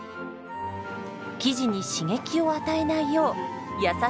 生地に刺激を与えないよう優しく丁寧に。